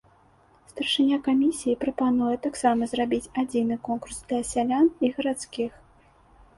Старшыня камісіі прапануе таксама зрабіць адзіны конкурс для сялян і гарадскіх.